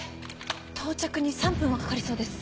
到着に３分はかかりそうです。